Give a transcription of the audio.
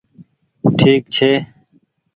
ٺيڪ ڇي۔